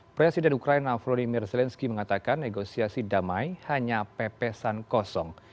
presiden ukraina volodymyr zelensky mengatakan negosiasi damai hanya pepesan kosong